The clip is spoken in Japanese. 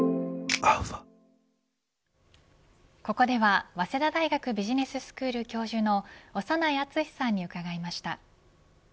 ここでは、早稲田大学ビジネススクール教授の長内厚さんに伺いました。